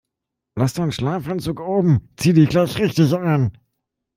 Lass deinen Schlafanzug oben, zieh dich gleich richtig an.